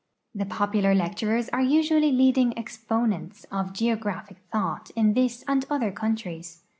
The popular lecturers are usually leading expo nents of geographic thought in this and other countries.